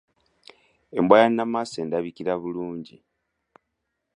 Embwa ya namaso endabikira bulungi.